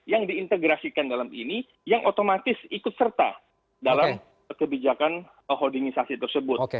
yang diintegrasikan dalam ini yang otomatis ikut serta dalam kebijakan holdingisasi tersebut